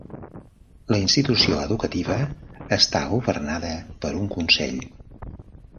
La institució educativa està governada per un Consell.